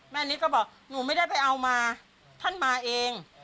นิดก็บอกหนูไม่ได้ไปเอามาท่านมาเอง